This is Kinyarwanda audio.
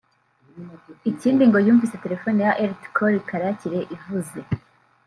Ikindi ngo yumvise telefone ya Lt Col Karakire ivuze